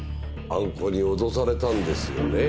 あん子に脅されたんですよね？